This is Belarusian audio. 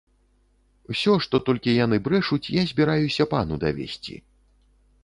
Усё, што толькі яны брэшуць, я збіраюся пану давесці!